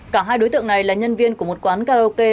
cả hai đối tượng này là nhân viên của một quán karaoke